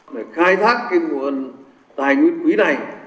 để khai thác cái nguồn tài nguyên quý này